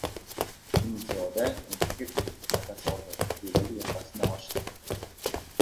Zim-ziyoda entikib-entikib nafas oldi. Ko‘ylagi yoqasini ochdi.